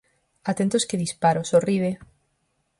Atentos que disparo. Sorride!